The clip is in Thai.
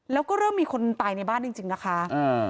แล้วก็เริ่มมีคนตายในบ้านจริงนะคะ